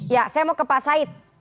ya saya mau ke pak said